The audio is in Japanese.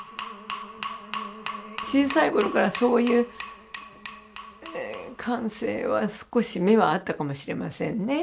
小さい頃からそういう感性は少し芽はあったかもしれませんね。